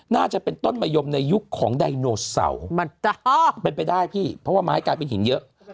น่าจะเป็นต้นมะยมในยุคของไดโนเสาร์เป็นไปได้พี่เพราะว่าไม้กลายเป็นหินเยอะ